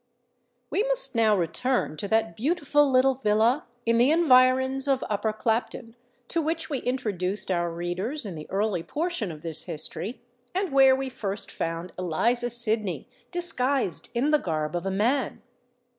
We must now return to that beautiful little villa, in the environs of Upper Clapton, to which we introduced our readers in the early portion of this history, and where we first found Eliza Sydney disguised in the garb of a man.